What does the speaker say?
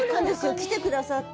来てくださって。